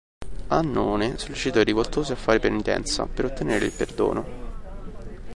Annone sollecitò i rivoltosi a fare penitenza per ottenere il perdono.